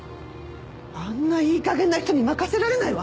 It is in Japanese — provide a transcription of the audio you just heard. あんないい加減な人に任せられないわ！